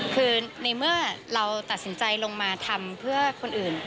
คือในเมื่อเราตัดสินใจลงมาทำเพื่อคนอื่น